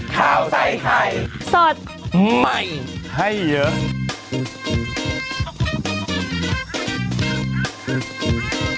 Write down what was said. ก็ได้ก็ได้